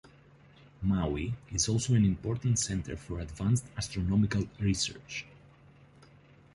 Maui is also an important center for advanced astronomical research.